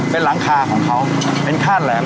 เป็นหลังคาของเขาเป็นค่าแหลม